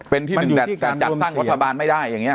เป็นที่หนึ่งแต่การจัดตั้งรัฐบาลไม่ได้อย่างนี้